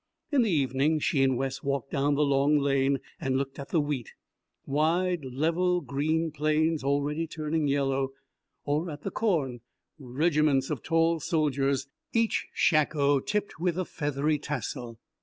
In the evening she and Wes walked down the long lane and looked at the wheat, wide level green plains already turning yellow; or at the corn, regiments of tall soldiers, each shako tipped with a feathery tassel.